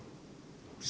saya tidak tahu